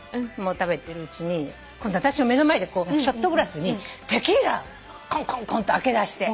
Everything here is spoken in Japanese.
食べてるうちに私の目の前でショットグラスにテキーラコンコンコンって開けだして。